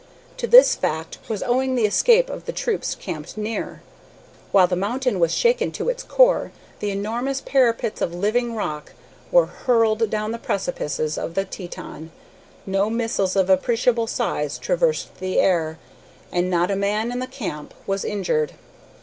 To this fact was owing the escape of the troops camped near. While the mountain was shaken to its core, and enormous parapets of living rock were hurled down the precipices of the Teton, no missiles of appreciable size traversed the air, and not a man at the camp was injured.